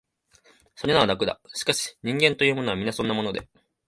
それなら、楽だ、しかし、人間というものは、皆そんなもので、